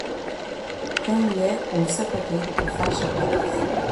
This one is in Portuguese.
Quem é um sapateiro que faz sapatos.